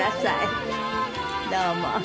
どうも。